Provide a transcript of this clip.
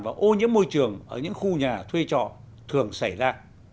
và ô nhiễm môi trường ở những khu nhà thuê trọ thường xảy ra